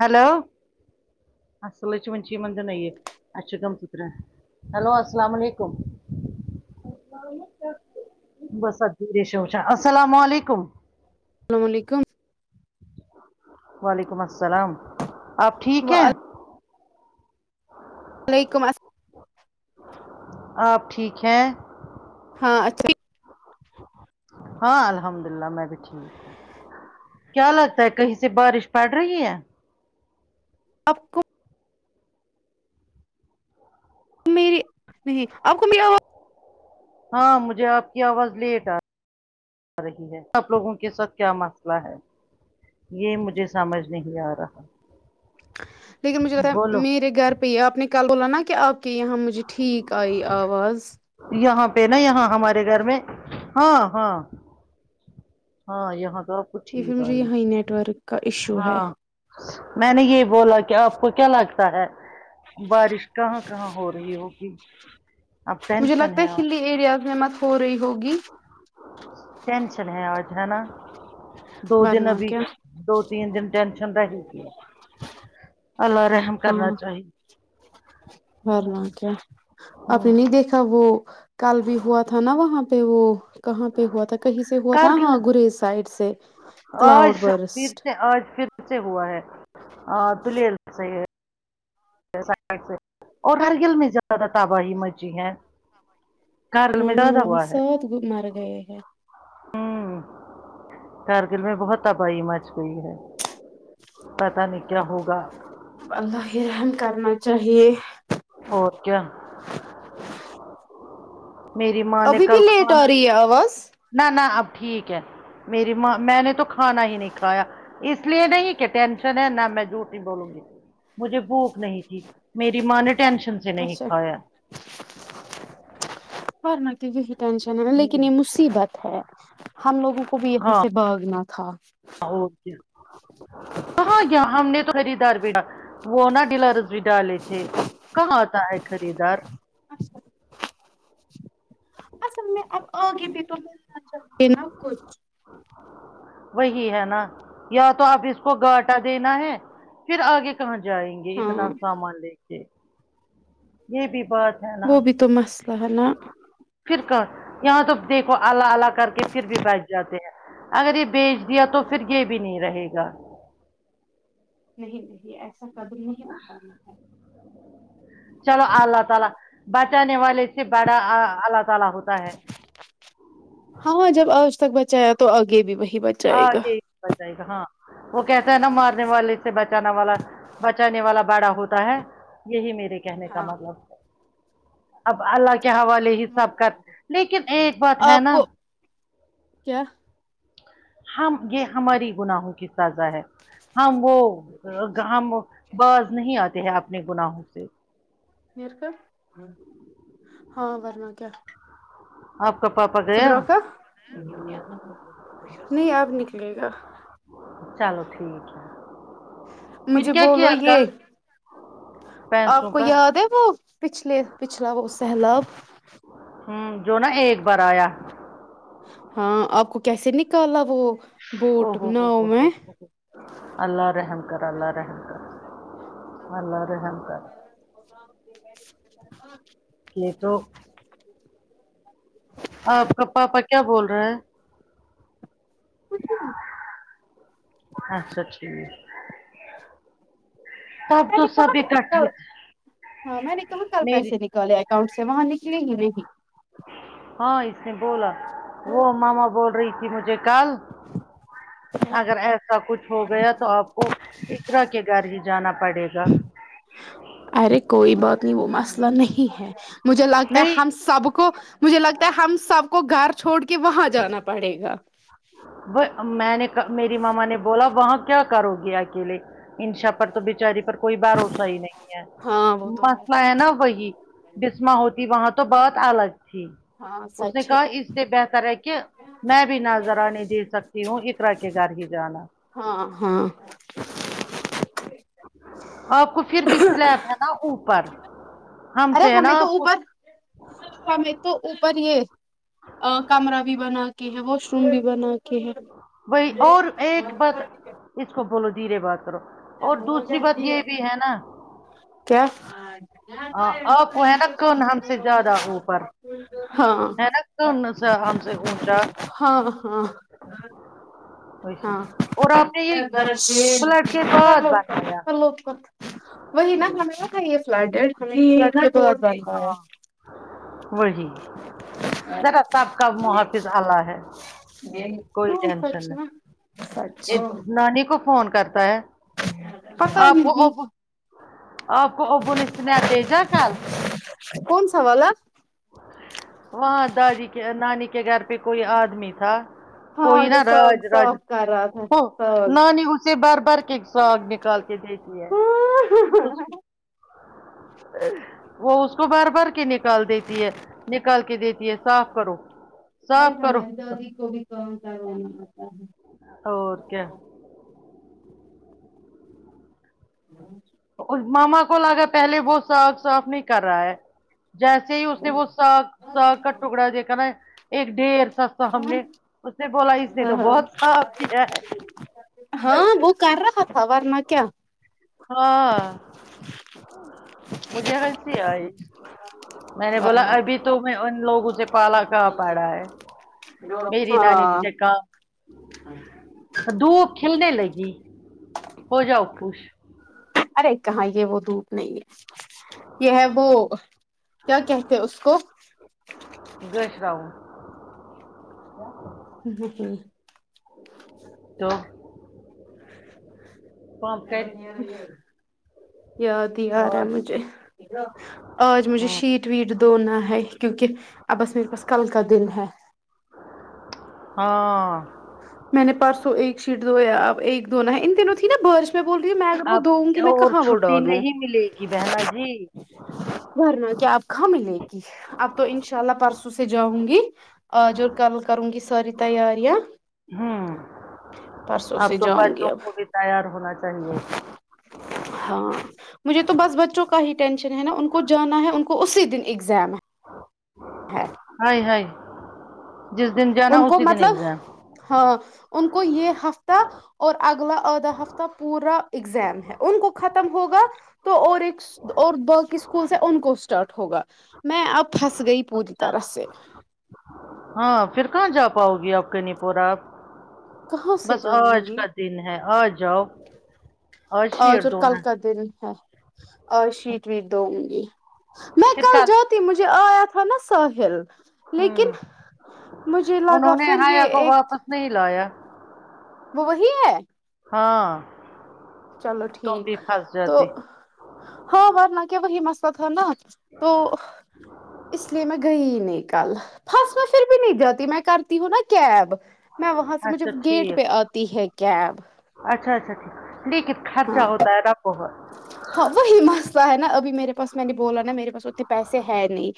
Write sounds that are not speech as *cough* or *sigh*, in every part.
Hello اسلچ منچے یہ مند نہیں ہے اچھ گم ستر *unintelligible* ہیلو السلام علیکم بس ا دھیشچا *unintelligible* السلام علیکم السلام علیکم وعلیکم السلام آپ ٹھیک ہیں وعلیکم اس آپ ٹھیک ہیں ہاں اچھا ہاں الحمد للہ میں بھی ٹھیک کیا لگتا ہے کہیں سے بارش پڑ رہی ہے آپکو میری نہیں آپ کو میں آواز ہاں مجھے آپ کی آواز لیٹ آ رہی ہے سب لوگوں کے ساتھ کیا مسئلہ ہے یہ مجھے سمجھ نہیں آ رہا لیکن مجھے لگا بولو میرے گھر پہ ہی آپ نے کل بولا نا کہ آپ کے یہاں مجھے ٹھیک آئی آواز یہاں پہ نا یہاں ہمارے گھر میں ہاں ہاں ہاں یہاں تو آپ کو یہ پھر ٹھیک مجھے آری یہاں ہی نیٹ ورک کا ایشو ہے ہاں میں نے یہ بولا کہ آپ کو کیا لگتا ہے بارش کہاں کہاں ہو رہی ہوگی اب مجھے ٹینشن لگتا ہے ہلی ایریاز میں مت ہو رہی ہوگی ٹینشن ہے آج ہے نا دو دن ورنہ ابھی کیا دو تین دن ٹینشن رہی اللہ رحم کرنا ہاں چاہیے ورنہ ہوں، کیا آپ نے ہوں۔ نہیں دیکھا وہ کل بھی ہوا تھا نا وہاں پہ وہ کہاں پہ ہوا تھا کہیں سے ہوا تھا کارگل ہاں گریز سائڈ سے آج کلاؤڈ پھر برسٹ سے آج پھر سے ہوا ہے دلیل صحیح ہے *unintelligible* اور ہرگل میں زیادہ تباہی مچی ہیں ہاں وہاں ہے سب مر گئے ہیں ہوں کارگل میں بہت تباہی مچ گیئ ہے پتا نہیں کیا ہوگا اللہ ہی رحم کرنا چاہیے اور کیا میری ماں نے ابھی بھی کل لیٹ کھانا آ رہی ہے آواز نہ نہ اب ٹھیک ہے میری ماں میں نے تو کھانا ہی نہیں کھایا اس لیے نہیں کہ ٹینشن ہے نہ میں جھوٹ ہی بولوں گی مجھے بھوک نہیں تھی میری ماں نے ٹینشن سے نہیں اچھا کھایا ورنہ کہ یہی ٹینشن ہے نا لیکن یہ مصیبت ہے ہم لوگوں کو بھی یہاں ہاں سے بھاگنا تھا اور کیا ہاں یہ ہم نے تو خریدار بھیا وہ نہا ڈلرس بھی ڈالے تھے کہاں آتا ہے خریدار اصل میں اب آگے بھی تو کرنا چھایا کچھ وہی ہے نا یا تو آپ اس کو گاٹا دینا ہے پھر آگے کہاں جائیں گے اتنا ہاں سامان لے کے یہ بھی بات ہے نا وہ بھی تو مسئلہ ہے نا پھر کہ یہاں تو دیکھو اللہ اللہ کر کے پھر بھی بچ جاتے ہیں اگر یہ بیچ یا تو پھر یہ بھی نہیں رہے گا نہیں نہیں ایسا قدم نہیں اٹھانا ہے چلو اللہ تعالی بچانے والے سے بڑا اللہ تعالی ہوتا ہے ہاں جب آج تک بچایا تو آگے بھی وہی بچا ہاں جی بچائے گا ہاں وہ کہتا ہے نا مارنے والے سے بچانا والا بچانے والا باڑا ہوتا ہے یہی میرا کہنے کا ہاں مطلب اب اللہ کے حوالے یہ ساب کا لیکن ایک بات ہے آپ نا کو کیا ہم یہ ہماری گناہوں کی سازہ ہے ہم وہ ہم باز نہیں آتے ہیں اپنے گناہوں سے پھر کل ہاں ورنہ کیا اپ کا بابا سدرا کا نہیں آپ نکلے گا چلو ٹھیک ہے پھر مجھے کیا کیا بولو یہ کل پیسوں آپ کو کا یاد ہے وہ پچھلے پچھلا وہ سیلاب ہوں جو نا ایک بار آیا ہاں آپ کو کیسے نکالا وہ بوٹ او ہو ہو بناؤ ہو ہو میں ہو ہو۔ اللہ راہم کر اللہ راہم کر اللہ رحم کر یہ تو *inaudible* آپ کا پاپا کیا بول رہا ہے کچھ بھی نہیں اچھا ٹھیک ہے آپ میں نے توہ کہاں سبھی تک کل تھیک تھے ہاں میں نے کہاں میری کل اکؤنٹ سے وہاں نکلے ہی نہیں کی ہاں اس نے بولا وہ ماما بول رہی تھی مجھے کل اگر ایسا کچھ ہو گیا تو آپ کو اقرا کے گھر ہی جانا پڑے گا ارے کوئی بات نہیں وہ مسئلہ نہیں ہے مجھے لگتا نہیں ہے ہم سب کو مجھے لگتا ہے ہم سب کو گھر چھوڑ کے وہاں جانا پڑے گا میں نے میری ماما نے بولا وہاں کیا کرو گے اکیلے انشا پر تو بچاری پر کوئی بھروسہ ہی نہیں ہے ہاں وہ تو مسئلہ ہے نا وہی بسما ہوتی وہاں تو بہات الگ تھی ہاں اس نے سچ ہے کہا اس سے بہتر ہے کہ کیا میں بھی نا ذرا نہیں جھیل سکتی ہوں اقرا کے گھر ہی جانا ہاں ہاں آپ کو پھر بھی سلیپ ہے نا اوپر ہم سے ہے نا آپ کو میں تو اوپر یہ ا کمرہ بھی بنا کے ہے واش روم بھی بنا کے ہے وہی اور ایک بات اس کو بولو دھیرے بات کرو اور دوسری بات یہ بھی ہے نا کیا آ، آپ کو ہے نا کون ہم سے زیادہ اوپر ہاں ہے نا *unintelligible* سے ہم سے او نچا *unintelligible* ہاں ہاں ویسی ہاں اور آپ نے یہ فلڈ کے *unintelligible* *unintelligible* کرلو بعد اوپر بنایا کرلو اوپر *unintelligible* وہی ذرا سب کا محافظ اللہ ہے جی کوئی ٹینشن نہیں یہ نانی کو فون کرتا ہے پتہ آپ کو نہیں ابو آپ کو ابو نے اسنیپ بھیجا کل کون سا والا وہاں دادی کے نانی کے گھر پہ کوئی آدمی تھا ہاں کوئی نا جو راج سوگ راج سوگ کر رہا تھا ہو سوگ نانی اسے بھر بھر کے ساگ نکال کے دیتی ہے اں ہا ہا اس ہاں وہ اس کو بر بر کے نکال د یتی ہے نکال کے دیتی ہے صاف کرو ارے صاف کرو ہمارے دادی کو بھی کام کرنا نہیں آتا ہے اور کیا *unintelligible* مما کو لگا پہلے وہ ساگ صاف نہیں کر رہا ہے جیسے ہی اس نے وہ ساگ ساگ کا ٹکڑا دیکھا نا ایک ڈھیر سا سامنے اس نے بولا اس نے تو بہت صاف کیا ہے ہاں وہ کر رہا تھا ورنہ کیا ہاں مجھے ہنسی آئی میں نے بولا ورنہ ابھی تمہیں ان لوگوں سے پالا کہاں پڑا ہے میری نانی ہاں ٹھیک ہے کا دھوپ کھلنے لگی ہو جاؤ خوش ارے کہاں یہ وہ دھوپ نہیں ہے یہ ہے وہ کیا کہتے اس کو گش راؤ کیا *unintelligible* تو کام کر یاد نہی ارا ہے اور مجھے آج مجھے ہاں شیٹ ویٹ دھونا ہے کیونکہ اب بس میرے پاس کل کا دن ہے ہاں میں نے پرسوں ایک شیٹ دھویا اب ایک دو نا ہے ان دنوں تھی نا با رش میں بول رہی میں اگر وہ اب دھوگی میں اور کہاں وہ چھٹی ڈالوں نہیں ملے گی بہنا جی ور نا کیا آپ کھا ملے گی اب تو ان شاء اللہ پرسوں سے جاؤں گی آج اور کل کروں گی ساری تیاریاں امم پرسوں اب سے تو جاؤں گی بچوں اب کو بھی تیار ہونا چاہیے ہاں مجھے تو بس بچوں کا ہی ٹینشن ہے نا ان کو جانا ہے ان کو اسی دن ایگزام ہے ہے ہائے ہائے جس دن ان کو مطلب ہاں ان کو یہ ہفتہ اور اگلا آدھا ہفتہ پورا اگزام ہے ان کو ختم ہوگا تو اور ایک اور دو کی اسکول سے ان کو اسٹارٹ ہوگا میں اب پھنس گئی پوری اچھا طرح سے ہاں پھر کہاں جا پاؤ گی آپ کے نہیں پورا کہاں سے بس جاؤں آج گی کا دن ہے آج جاؤ آج شیر اور کل دھونا کا ہے دن تھا آج شیٹ ویٹ دھو نگی میں کل جا تی مجھے آیا تھا نا ساحل ہوں لیکن مجھے لگا انہوں نے پھر یہ حیا کو ایک واپس نہیں لایا وہ وہی ہے ہاں چلو تم ٹھیک بھی پھنس تو جاتی ہاں ورنہ کیا وہی مسئلہ تھا نا تو اس لیے میں گئی ہی نہیں کل ہفسہ پھر بھی نہیں جاتی میں کرتی ہوں نا کیب میں وہاں سے مجھے اچھا گیٹ ٹھیک پہ آتی ہے کیب اچھا اچھا ٹھیک ہے لیکن خرچہ ہاں ہوتا ہے نہ بہت ہاں وہی مسئلہ ہے نا ابھی میرے بس میں نے بولا نا میرے پاس اتنے پیسے ہے نہیں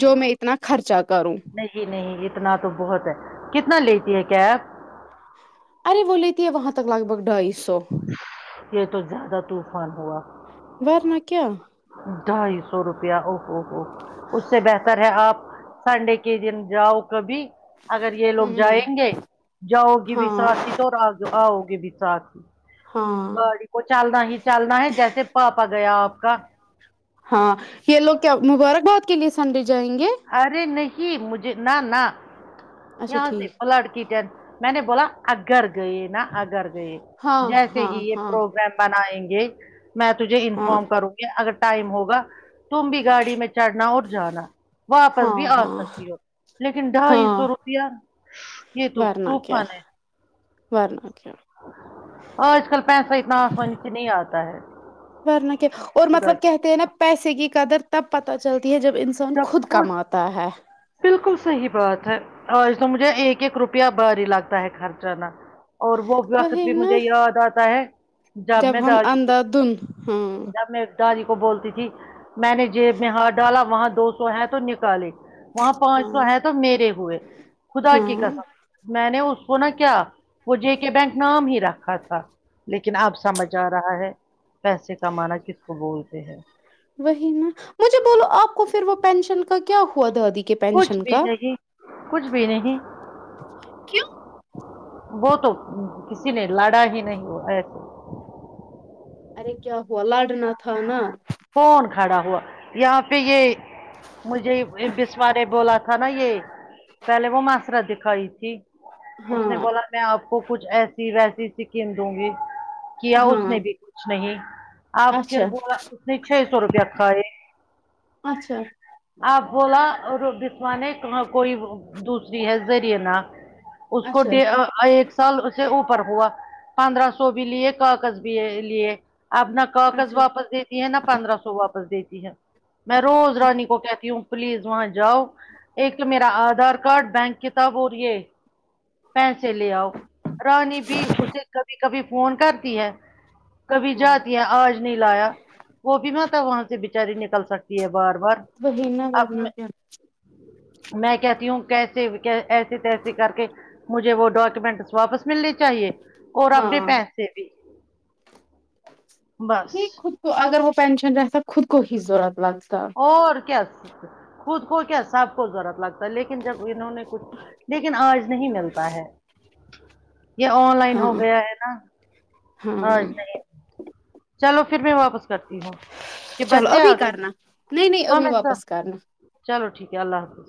جو میں اتنا خرچہ کروں جی نہیں اتنا تو بہت ہے کتنا لیتی ہے کیب ارے وہ لیتی ہے وہاں تک لگ بھگ ڈھائی سو یہ تو زیادہ طوفانی ہوا ورنہ کیا ڈھائی سو روپیہ او ہوو ہوو اس سے بہتر ہے آپ سنڈے کے دن جاؤ کبھی اگر یہ لوگ ہوں جائیں گے جاؤ گی بھی ہاں ساتھی تو آؤ گی بھی ساتھی ہاں باڑی کو چالنا ہی چالنا ہے جیسے پاپا گیا آپ کا ہاں یہ لوگ کیا مبارک باد کے لیے سنڈے جائیں گے ارے نہیں مجھے نہ نہ اچھا یہاں سے ٹھیک پلاڈ کیٹن میں نے بولا اگر گئے نا اگر گئے ہاں جیسے ہاں ہی یہ ہاں پروگرام بنائیں گے میں تجھے ہاں انفارم کروں گی اگر ٹائم ہوگا تم بھی گاڑی میں چڑھنا اور جانا واپس بھی ہاں آ ہاں سکتی ہو لیکن ڈھائی ہاں سو روپیہ یہ تو ورنہ کیا طوفان ہے ورنہ کیا آج کل پیسہ اتنا آسانی سے نہیں آتا ہے ورنہ کیا اور خدا مطلب کی کہتے ہیں نا پیسے کی قدر تب پتہ چلتی ہے جب انسان خود کماتا تا ہے بالکل صحیح بات ہے آج تو مجھے ایک ایک روپیہ بھاری لگتا ہے خرچ آنا اور وہ بھی وقت وہی بھی مجھے نا یاد آتا ہے جب میں ہم دادی کو اندھا دھن ہاں جب میں دادی کو بولتی تھی میں نے جیب میں ہاتھ ڈالا وہاں دو سو ہیں تو نکالے گی وہاں پانچ سو ہاں ہے تو میرے ہوئے خدا کی ہاں قسم میں نے اس کو نا کیا وہ جے کے بینک نام ہی رکھا تھا لیکن اب سمجھ آ رہا ہے پیسے کمانا کس کو بولتے ہیں وہی نا مجھے بولو آپ کو پھر وہ پینشن کا کیا ہوا دادی کے کچھ پینشن بھی کا نہیں کچھ بھی نہیں کیوں وہ تو کسی نے لڑا ہی نہیں ہو ایسے ارے کیا ہوا لڑنا تھا نا کون کھڑا ہوا یہاں پہ یہ مجھے بسوارے بولا تھا نا یہ پہلے وہ معاسرہ دکھائی تھی اس نے ہاں بولا میں آپ کو کچھ ایسی ویسی سکیم دوں گی کیا اس ہاں نے بھی کچھ نہیں آپ اچھا پھر وہ چھ سو روپیہ آکھا ہے اچھا آپ بولا بسما نے کہاں کوئی وہ دوسری ہے زرینہ اس کو اچھا ایک آ سال سے اوپر ہوا پندرہ سو بھی لیے کاکز بھی ہے لیے اب نہ کاغذ اچھا واپس دیتی ہے نہا پندرہ سو واپس دیتی ہے میں روز کیا رانی کو کہتی ہوں پلیز وہاں جاؤ ایک میرا آدھار کارڈ بینک کتاب اور یہ پیسے لے آؤ رانی بھی اسے کبھی کبھی فون کرتی ہے کبھی ہاں جاتیا آج نہیں لایا وہ بھی نہ تو وہاں سے بچاری نکل سکتی ہے بار بار وہی نا اب ورنہ میں کیا میں کہتی ہوں کیسے ایسی تسیے کر کے مجھے وہ ڈاکومنٹس واپس ملنے چاہیے اور اپنے ہاں پیسے بھی بس نہیں خود کو اگر وہ پینشن رہتا خود کو ہی ضورت لگتا اور کیا خود کو کیا سب کو ضورت لگتا لیکن جب انہوں نے کچھ لیکن آج نہیں ملتا ہے یہ آن لائن ہو ہاں گیا ہے نا آج ہاں نہیں چلو پھر میں واپس کرتی ہوں کہ چلو بچے آ ابھی گئے کرنا نہیں نہیں ہاں ابھی میں واپس سب کرنا چلو ٹھیک ہے اللہ حافظ